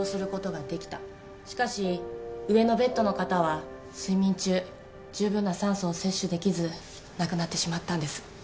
しかし上のベッドの方は睡眠中じゅうぶんな酸素を摂取できず亡くなってしまったんです。